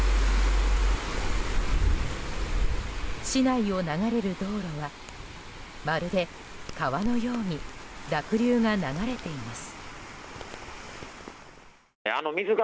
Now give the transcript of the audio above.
市内を流れる道路はまるで川のように濁流が流れています。